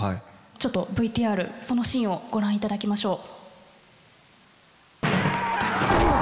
ちょっとＶＴＲそのシーンを御覧いただきましょう。